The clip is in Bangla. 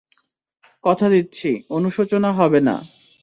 কথা দিচ্ছি, অনুশোচনা হবে না।